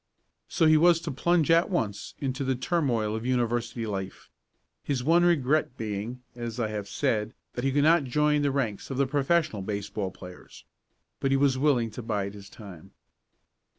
So he was to plunge at once into the turmoil of university life his one regret being, as I have said, that he could not join the ranks of the professional baseball players. But he was willing to bide his time.